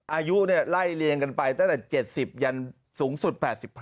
อายุไล่เลียงกันไปตั้งแต่๗๐ยันสูงสุด๘๕